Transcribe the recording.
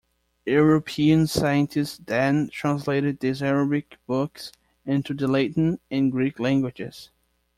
European scientists then translated these Arabic books into the Latin and Greek languages.